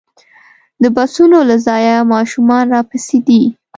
د بسونو له ځایه ماشومان راپسې دي.